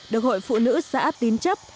được hội phụ nữ xã tín chấp